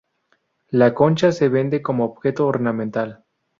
La concha se vende como objeto ornamental.